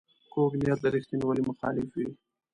کوږ نیت د ریښتینولۍ مخالف وي